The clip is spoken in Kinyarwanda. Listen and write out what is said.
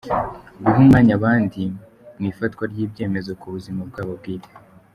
Guha umwanya abandi mu ifatwa ry’ibyemezo ku buzima bwabo bwite.